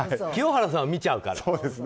清原さんを見ちゃうから。